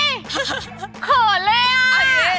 โอ๊ยเผินเลยอ่ะ